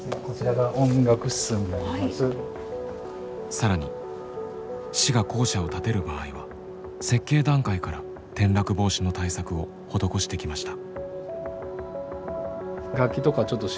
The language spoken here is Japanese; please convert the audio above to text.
更に市が校舎を建てる場合は設計段階から転落防止の対策を施してきました。